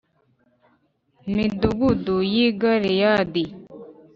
midugudu y i Galeyadi